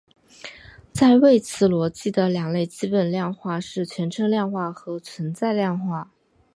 在谓词逻辑的两类基本量化是全称量化和存在量化。